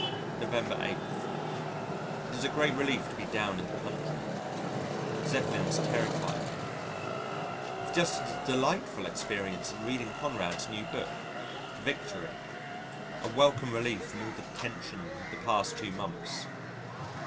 November 8. It is a great relief to be down in the country. Zeppelins terrify me. Have just had a delightful experience in reading Conrad's new book, Victory a welcome relief from all the tension of the past two months.